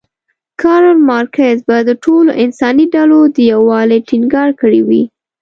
کارل مارکس به د ټولو انساني ډلو د یووالي ټینګار کړی وی.